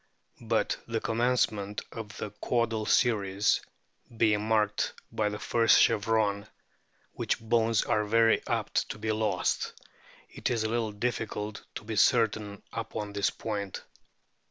But the commencement of the Caudal series being marked by the first chevron, which bones are very apt to be lost, it is a little difficult to be certain upon this point.